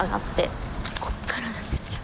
こっからなんですよ。